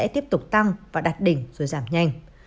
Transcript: tiếp tục tăng và đặt đỉnh rồi giảm nhanh